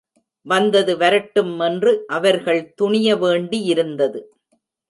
வந்தது வரட்டும் என்று அவர்கள் துணிய வேண்டியிருந்தது.